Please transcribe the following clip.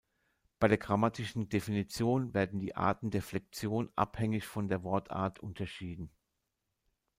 Bei der grammatischen Definition werden die Arten der Flexion abhängig von der Wortart unterschieden.